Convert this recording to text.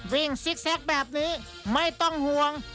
ซิกแซคแบบนี้ไม่ต้องห่วง